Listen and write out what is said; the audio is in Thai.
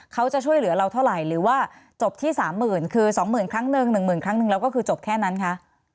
เขาจะช่วยเหลือเราเท่าไหร่หรือว่าจบที่๓๐๐๐คือ๒๐๐๐ครั้งหนึ่งหนึ่งหมื่นครั้งหนึ่งแล้วก็คือจบแค่นั้นคะ